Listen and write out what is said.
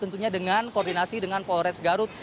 tentunya dengan koordinasi dengan polres garut